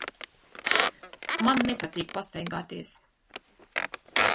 Man nepatīk pastaigāties.